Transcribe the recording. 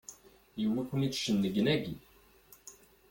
Yewwi-ken-d cennegnagi!